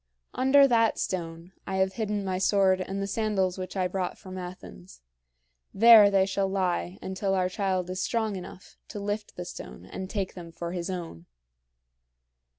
Under that stone, I have hidden my sword and the sandals which I brought from Athens. There they shall lie until our child is strong enough to lift the stone and take them for his own.